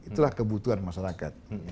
itulah kebutuhan masyarakat